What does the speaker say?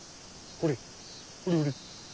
ほれほれ。